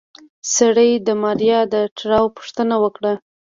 سړي د ماريا د تړاو پوښتنه وکړه.